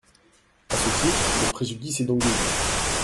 À ce titre, le préjudice est donc double.